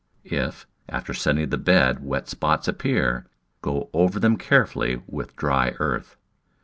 If, after setting the bed, wet spots appear, go over them carefully with dry earth.